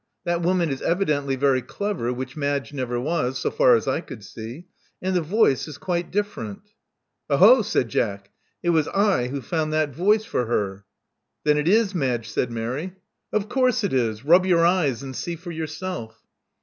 That woman is evidently very clever, which Madge never was, so far as I could see. And the voice is quite different." Oho!" said Jack. It was I who found that voice for her." Then it tf Madge," said Mary. Of course, it is. Rub your eyes and see for your self."